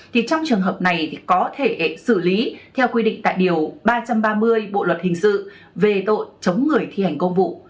thì trong trường hợp này thì có thể xử lý theo quy định tại điều ba trăm ba mươi bộ luật hình sự về tội chống người thi hành công vụ